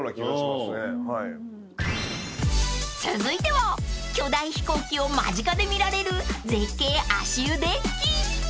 ［続いては巨大飛行機を間近で見られる絶景足湯デッキ］